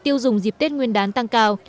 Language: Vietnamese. tiêu dùng dịp tết nguyên đán tăng cao